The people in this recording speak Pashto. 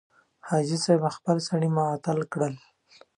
حاجي صاحب خپل سړي معطل کړل.